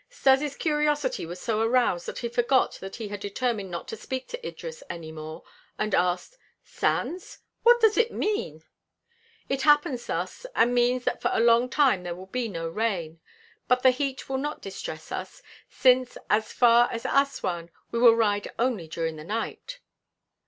Stas' curiosity was so aroused that he forgot that he had determined not to speak to Idris any more and asked: "Sands? What does it mean?" "It happens thus, and means that for a long time there will be no rain. But the heat will not distress us, since as far as Assuan we will ride only during the night."